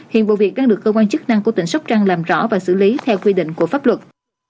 hiện vụ việc đang được cơ quan chức năng của tỉnh sóc trăng làm rõ và xử lý theo quy định của pháp luật